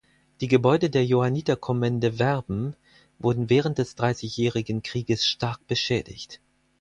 Die Gebäude der Johanniterkommende Werben wurden während des Dreißigjährigen Krieges stark beschädigt.